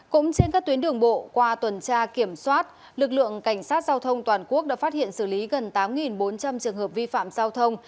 cũng trên các tuyến đường bộ qua tuần tra kiểm soát lực lượng cảnh sát giao thông toàn quốc đã phát hiện xử lý gần tám bốn trăm linh trường hợp vi phạm giao thông